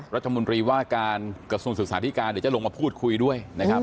รัฐมนตรีว่าการกระทรวงศึกษาธิการเดี๋ยวจะลงมาพูดคุยด้วยนะครับ